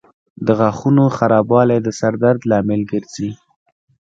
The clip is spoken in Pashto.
د غاښونو خرابوالی د سر درد لامل ګرځي.